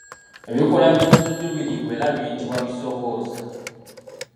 Ebikoola by’ensujju biriibwa era biyitibwa bisoobooza.